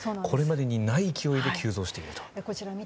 これまでにない勢いで急増していると。